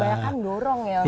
oh kebanyakan dorong ya abah